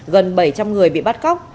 gần bảy trăm linh người bị bắt cóc